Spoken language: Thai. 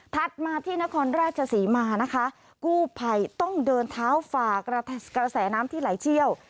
มาที่นครราชศรีมานะคะกู้ภัยต้องเดินเท้าฝากระแสน้ำที่ไหลเชี่ยว